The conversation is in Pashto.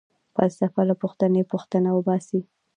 فلسفه له پوښتنې٬ پوښتنه وباسي.